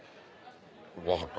分かった。